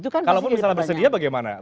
kalaupun misalnya bersedia bagaimana